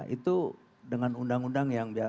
itu dengan undang undang yang